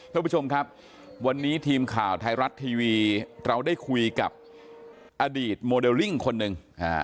ท่านผู้ชมครับวันนี้ทีมข่าวไทยรัฐทีวีเราได้คุยกับอดีตโมเดลลิ่งคนหนึ่ง